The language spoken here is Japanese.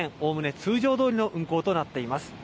おおむね通常どおりの運行となっています。